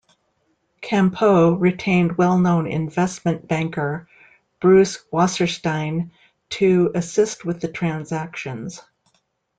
Campeau retained well-known investment banker Bruce Wasserstein to assist with the transactions.